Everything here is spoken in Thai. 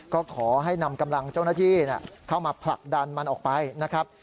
ก็ขอให้นำกำลังเจ้าหน้าที่เข้ามาผลักดันมันออกไปนะครับ